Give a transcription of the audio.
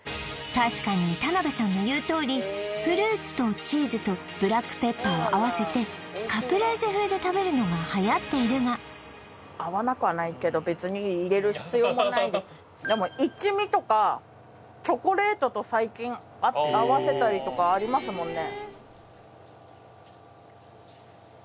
確かに田辺さんの言うとおりフルーツとチーズとブラックペッパーを合わせてカプレーゼ風で食べるのがはやっているがでも一味とかチョコレートと最近合わせたりとかありますもんね